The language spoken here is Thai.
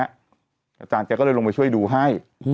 อาจารย์แกก็เลยลงไปช่วยดูให้